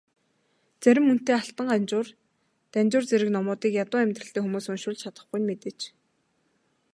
Зарим үнэтэй Алтан Ганжуур, Данжуур зэрэг номуудыг ядуу амьдралтай хүмүүс уншуулж чадахгүй нь мэдээж.